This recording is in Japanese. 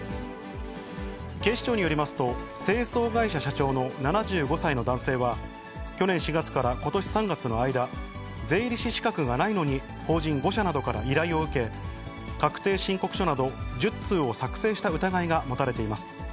警視庁によりますと、清掃会社社長の７５歳の男性は、去年４月からことし３月の間、税理士資格がないのに、法人５社などから依頼を受け、確定申告書など、１０通を作成した疑いが持たれています。